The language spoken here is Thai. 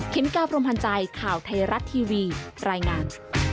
กาพรมพันธ์ใจข่าวไทยรัฐทีวีรายงาน